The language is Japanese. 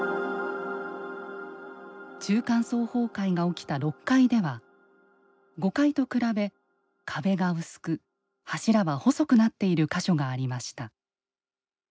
中間層崩壊が起きた６階では５階と比べ、壁が薄く柱は細くなっている箇所がありました。